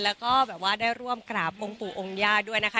แล้วก็ได้ร่วมกราบวงปู่องค์ย่าด้วยนะคะ